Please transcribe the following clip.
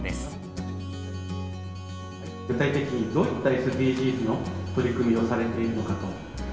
具体的にどういったＳＤＧｓの取り組みをされているのかと。